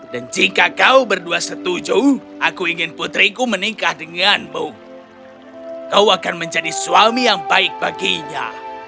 jika kau berdua setuju aku ingin putriku menikah denganmu kau akan menjadi suami yang baik baginya